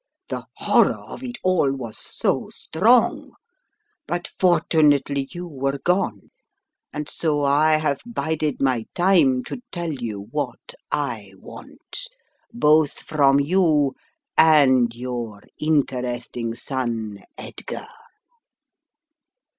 The horror of it all was so strong! But fortunately you were gone, and so I have bided my time to tell you what I want, both from you and your interesting son Edgar."